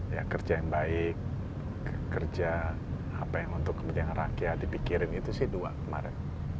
ya kerja yang baik kerja apa yang untuk kepentingan rakyat dipikirin itu sih dua kemarin